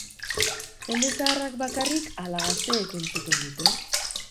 Jende zaharrak bakarrik ala gazteek entzuten dute?